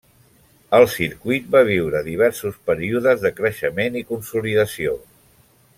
El Circuit va viure diversos períodes de creixement i consolidació.